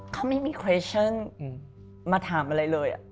เขาไม่มีคำถามมาถามอะไรเลย